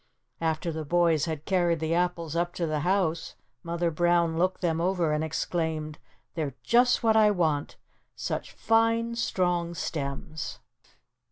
After the boys had carried the apples up to the house Mother Brown looked them over and exclaimed: "They're just what I want, such fine strong stems."